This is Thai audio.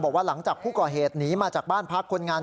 บอกว่าหลังจากผู้ก่อเหตุหนีมาจากบ้านพักคนงาน